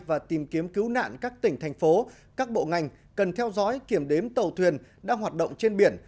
và tìm kiếm cứu nạn các tỉnh thành phố các bộ ngành cần theo dõi kiểm đếm tàu thuyền đang hoạt động trên biển